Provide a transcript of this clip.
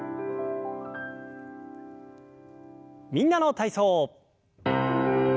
「みんなの体操」。